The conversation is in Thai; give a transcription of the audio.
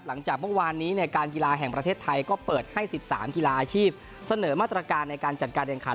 หลังจากเมื่อวานนี้การกีฬาแห่งประเทศไทยก็เปิดให้๑๓กีฬาอาชีพเสนอมาตรการในการจัดการแข่งขัน